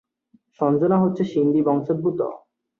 সঞ্জনা হচ্ছেন সিন্ধি বংশোদ্ভূত।